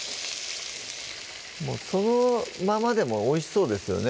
もうそのままでもおいしそうですよね